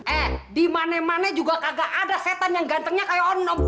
eh dimane mane juga gak ada setan yang gantengnya kayak orang obu